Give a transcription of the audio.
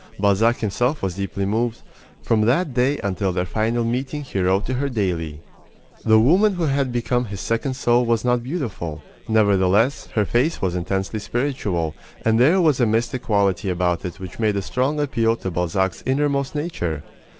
Balzac himself was deeply moved. From that day until their final meeting he wrote to her daily. The woman who had become his second soul was not beautiful. Nevertheless, her face was intensely spiritual, and there was a mystic quality about it which made a strong appeal to Balzac's innermost nature.